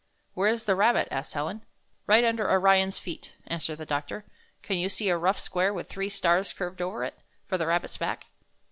''Where is the rabbit?" asked Helen. ''Right under Orion's feet," answered the doctor. "Can you see a rough square with three stars curved over it, for the rabbit's back?